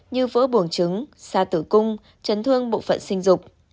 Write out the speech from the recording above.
như vỡ buồng trứng da tử cung chấn thương bộ phận sinh dục